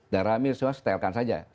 dan rami semua setelkan saja